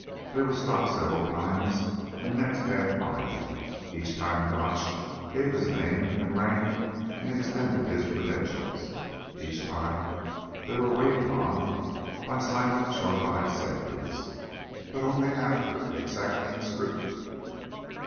They were stopped several times in the next half mile. Each time Gotch gave his name and rank and extended his credentials. Each time they were waved on by silent sharp eyed sentries, but only after an exacting scrutiny.